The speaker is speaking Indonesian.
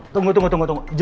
tunggu tunggu tunggu